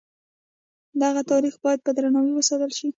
دغه تاریخ باید په درناوي وساتل شي.